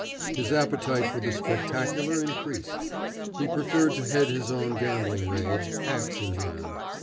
His appetite for the spectacular increased. He preferred to head his own gambling raids, ax in hand.